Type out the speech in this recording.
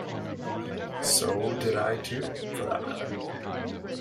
So did I too, for that matter.